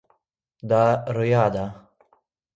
دا ریا ده.